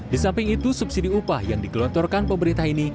di samping itu subsidi upah yang digelontorkan pemerintah ini